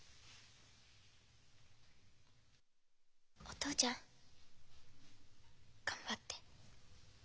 お父ちゃん頑張って。